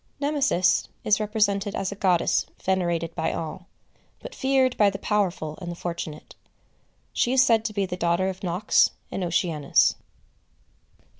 Nemesis is represented as a goddess venerated by all, but feared by the powerful and the fortunate. She is said to be the daughter of Nox and Oceanus.